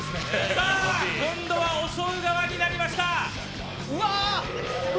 さあ今度は襲う側になりました。